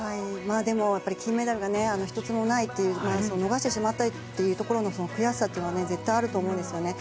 でも金メダルが１つもないという逃してしまったという悔しさは絶対あると思うんですよね。